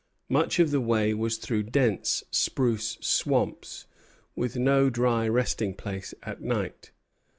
Much of the way was through dense spruce swamps, with no dry resting place at night.